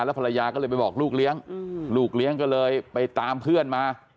ภรรยาก็เลยไปบอกลูกเลี้ยงลูกเลี้ยงก็เลยไปตามเพื่อนมา